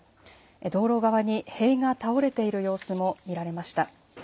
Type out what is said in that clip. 道路側に塀が倒れている様子も見られました。